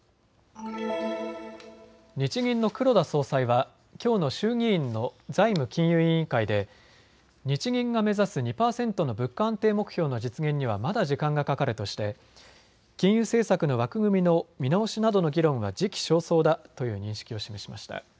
日銀の黒田総裁はきょうの衆議院の財務金融委員会で日銀が目指す２％の物価安定目標の実現にはまだ時間がかかるとして金融政策の枠組みの見直しなどの議論は時期尚早だという認識を示しました。